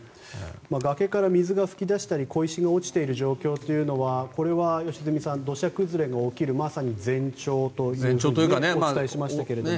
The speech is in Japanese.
崖から水が噴き出したり小石が落ちている状況というのは良純さん、土砂崩れが起きるまさに前兆というふうにお伝えしましたけれども。